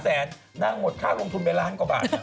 แสนนางหมดค่าลงทุนไปล้านกว่าบาท